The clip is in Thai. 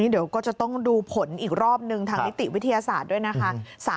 เดี๋ยวก็จะต้องดูผลอีกรอบนึงทางนิติวิทยาศาสตร์ด้วยนะคะ